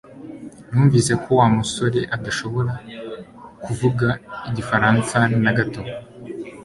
Numvise ko Wa musore adashobora kuvuga igifaransa na gato